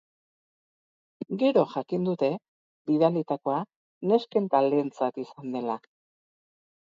Gero jakin dute bidalitakoa nesken taldeentzat izan dela.